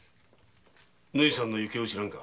縫さんの行方を知らんか？